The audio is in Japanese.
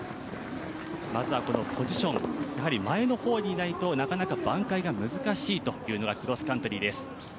まずはポジション、前の方にいないとなかなか挽回が難しいというのがクロスカントリーです。